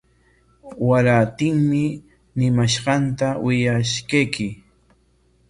Warantinmi ñimanqanta willashqayki.